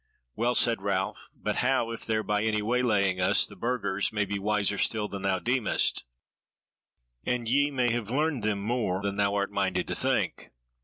"Well," said Ralph, "but how if there by any waylaying us; the Burgers may be wiser still than thou deemest, and ye may have learned them more than thou art minded to think."